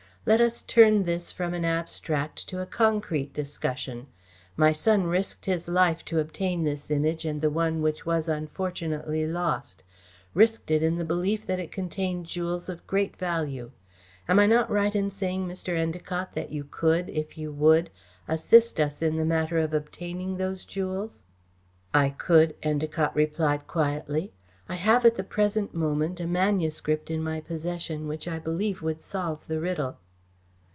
Let us turn this from an abstract to a concrete discussion. My son risked his life to obtain this Image and the one which was unfortunately lost risked it in the belief that it contained jewels of great value. Am I not right in saying, Mr. Endacott, that you could, if you would, assist us in the matter of obtaining those jewels?" "I could," Endacott replied quietly. "I have at the present moment a manuscript in my possession which I believe would solve the riddle."